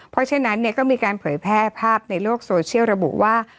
เพราะฉะนั้นก็มีการเผยแพร่ภาพในโลกโซเชียลระบุว่า